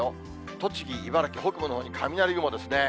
栃木、茨城北部のほう、雷雲ですね。